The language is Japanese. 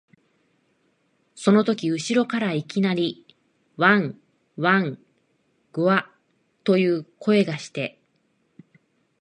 そのとき後ろからいきなり、わん、わん、ぐゎあ、という声がして、